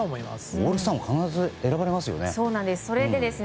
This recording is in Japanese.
オールスターも必ず選ばれますよね。